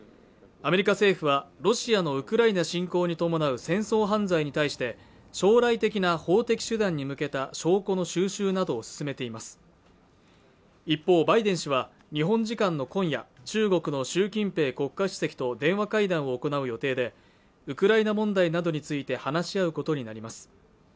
アメリカ政府はロシアのウクライナ侵攻に伴う戦争犯罪に対して将来的な法的手段に向けた証拠の収集などを進めています一方、バイデン氏は日本時間の今夜中国の習近平国家主席と電話会談を行う予定でウクライナ問題などについて話し合うことになります